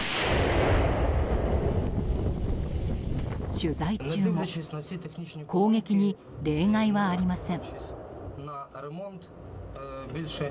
取材中も攻撃に例外はありません。